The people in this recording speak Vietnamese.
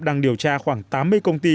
đang điều tra khoảng tám mươi công ty